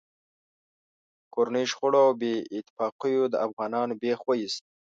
کورنیو شخړو او بې اتفاقیو د افغانانو بېخ و ایست.